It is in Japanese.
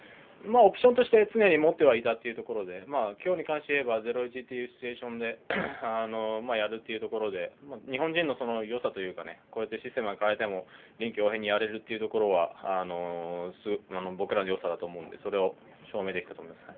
オプションとして常に持っていたところで今日に関して言えば０−１というシチュエーションでやるということで日本人の良さというかシステムを変えても臨機応変にやれるところは僕らのよさだと思うのでそれを証明できたと思います。